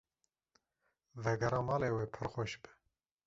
Vegera malê ew ê pir xweş be.